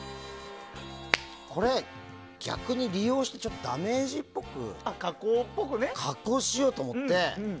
これ、逆に利用してダメージっぽく加工しようと思って。